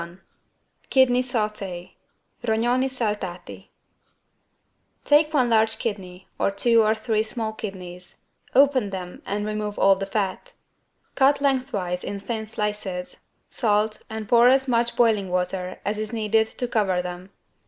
71 KIDNEY SAUTÉ (Rognoni saltati) Take one large kidney, or two or three small kidneys, open them and remove all the fat. Cut lengthwise in thin slices, salt and pour as much boiling water as is needed to cover them.